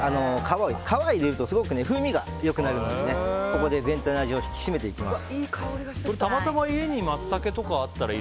皮を入れるとすごく風味が良くなるのでここで全体の味を引き締めていきます。